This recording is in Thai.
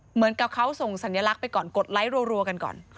เหมือนกับเขาส่งสัญลักษณ์ไปก่อนกดไลค์รัวกันก่อน